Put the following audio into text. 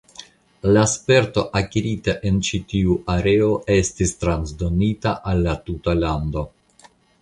La sperto akirita en ĉi tiu areo estis transdonita al la tuta lando.